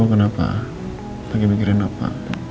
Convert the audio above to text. kenapa lagi mikirin apa